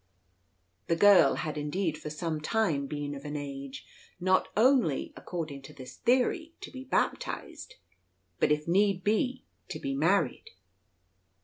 The girl had indeed for some time been of an age not only, according to this theory, to be baptised, but if need be to be married.